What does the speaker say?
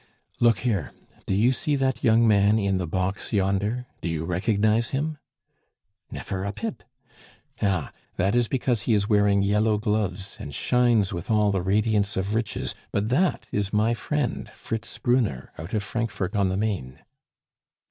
"Look there! Do you see that young man in the box yonder?... Do you recognize him?" "Nefer a pit " "Ah! That is because he is wearing yellow gloves and shines with all the radiance of riches, but that is my friend Fritz Brunner out of Frankfort on the Main."